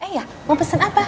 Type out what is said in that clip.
eh ya mau pesen apa